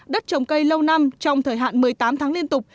đất trồng cây lâu năm trong thời hạn một mươi tám tháng liên tục